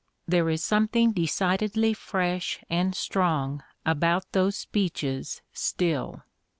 There is something decidedly fresh and strong about those speeches still.